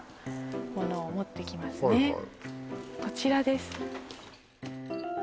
こちらです